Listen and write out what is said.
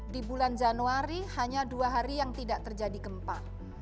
di bulan januari hanya dua hari yang tidak terjadi gempa